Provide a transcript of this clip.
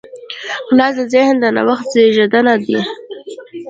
خلاص ذهن د نوښت زېږنده دی.